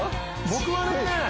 僕はね